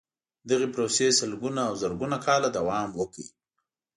دغې پروسې سلګونه او زرګونه کاله دوام وکړ.